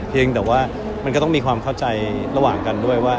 เพียงแต่ว่ามันก็ต้องมีความเข้าใจระหว่างกันด้วยว่า